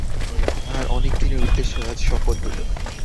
তাহার অনেক দিনের উদ্দেশ্য আজ সফল হইল।